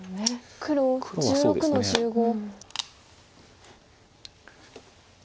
黒１６の十四。